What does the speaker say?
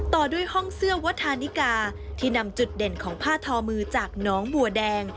ต่อด้วยห้องเสื้อวัฒนิกาที่นำจุดเด่นของผ้าทอมือจากน้องบัวแดง